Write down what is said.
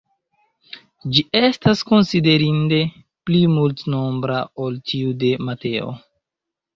Ĝi estas konsiderinde pli multnombra ol tiu de Mateo.